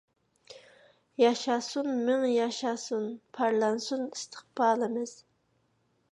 ﻳﺎشاسۇن، ﻣﯩﯔ ياشاسۇن، ﭘﺎﺭﻻنسۇن ﺋﯩﺴﺘﯩﻘﺒﺎﻟﯩﻤﯩﺰ!